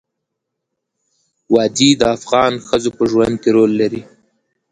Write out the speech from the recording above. وادي د افغان ښځو په ژوند کې رول لري.